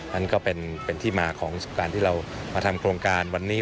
นั่นก็เป็นที่มาของการที่เรามาทำโครงการวันนี้